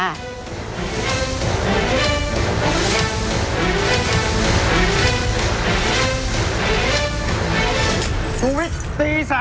อาจจะต้องมาให้ความสำคัญของข้าราชการหรือเปล่า